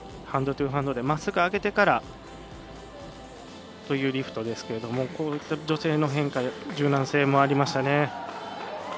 ハンドトゥーハンドでまっすぐ上げてからというリフトですが女性の変化、柔軟性もありましたね。